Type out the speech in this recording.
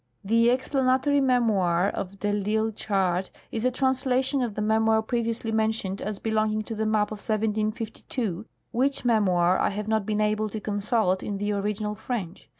The explanatory memoir of de ITsle's chart is a translation of the memoir previously mentioned as belonging to the map of 1752, which memoir I have not been able to consult in the original French.